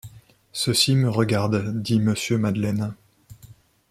Ceci me regarde, dit Monsieur Madeleine.